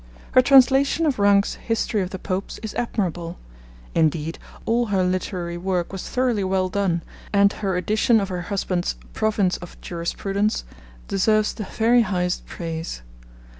Her translation of Ranke's History of the Popes is admirable; indeed, all her literary work was thoroughly well done, and her edition of her husband's Province of Jurisprudence deserves the very highest praise.